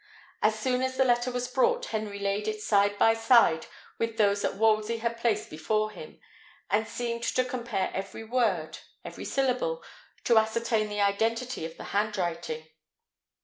As soon as the letter was brought, Henry laid it side by side with those that Wolsey had placed before him, and seemed to compare every word, every syllable, to ascertain the identity of the handwriting.